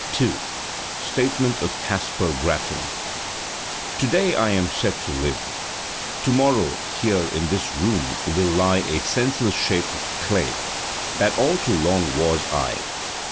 2. Statement of Caspar GrattanTo day I am said to live, to morrow, here in this room, will lie a senseless shape of clay that all too long was I.